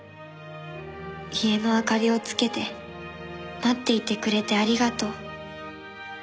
「家の灯りを点けて待っていてくれてありがとう」